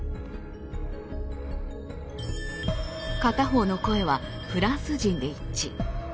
片方の声はフランス人で一致。